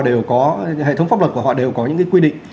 đều có hệ thống pháp luật của họ đều có những quy định